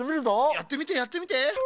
やってみてやってみて。